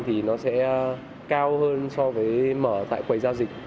thì nó sẽ cao hơn so với mở tại quầy giao dịch